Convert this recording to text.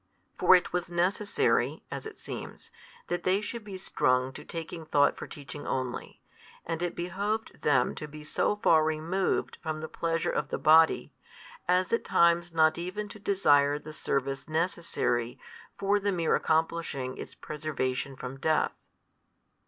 For it was necessary (as it seems) that they should be strung to taking thought for teaching only, and it behoved them to be so far removed from the pleasure of the body, as at times not even to desire the service necessary for the mere accomplishing its preservation from death.